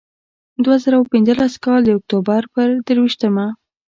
د دوه زره پینځلس کال د اکتوبر پر درویشتمه.